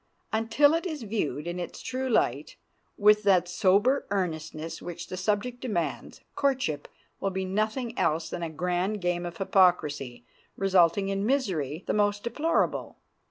Until it is viewed in its true light, with that sober earnestness which the subject demands, courtship will be nothing else than a grand game of hypocrisy, resulting in misery the most deplorable.